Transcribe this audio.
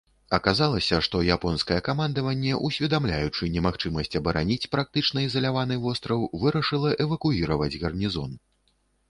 Аказалася, што японскае камандаванне, усведамляючы немагчымасць абараніць практычна ізаляваны востраў, вырашыла эвакуіраваць гарнізон.